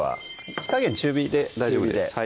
火加減中火で大丈夫です